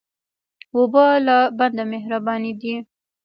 اوبه له بنده مهربانې دي.